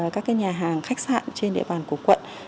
các nhà hàng khách sạn trên địa bàn của quận